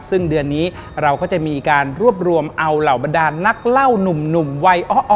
ซึ่งเดือนนี้เราก็จะมีการรวบรวมเอาเหล่าบรรดานนักเล่านุ่มวัยอ้อ